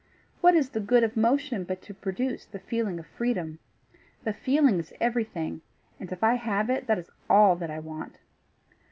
What is the good of motion but to produce the feeling of freedom? The feeling is everything, and if I have it, that is all that I want.